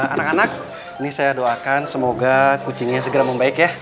anak anak ini saya doakan semoga kucingnya segera membaik ya